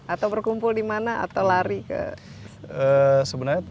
atau berkumpul di mana atau lari ke atas bukit